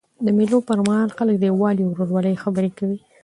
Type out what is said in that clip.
د مېلو پر مهال خلک د یووالي او ورورولۍ خبري کوي.